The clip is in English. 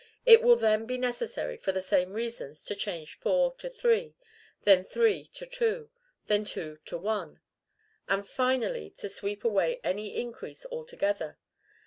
it will then be necessary, for the same reasons, to change four to three; then three to two, then two to one, and finally to sweep away increase altogether?